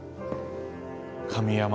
神山